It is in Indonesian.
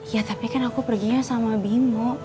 ya tapi kan aku perginya sama bimo